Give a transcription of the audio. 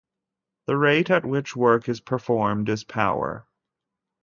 The rate at which work is performed is power.